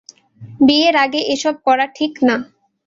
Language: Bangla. বিয়ের আগে এসব করা ঠিক না।